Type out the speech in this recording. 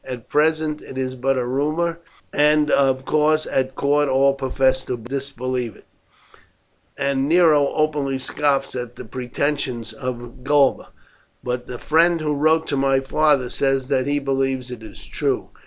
At present it is but a rumour, and of course at court all profess to disbelieve it, and Nero openly scoffs at the pretensions of Galba; but the friend who wrote to my father says that he believes it true.